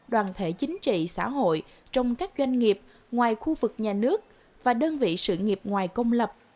đoàn thể chính trị xã hội trong các doanh nghiệp ngoài khu vực nhà nước và đơn vị sự nghiệp ngoài công lập